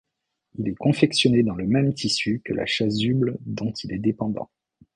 Il est confectionné dans le même tissu que la chasuble dont il est dépendant.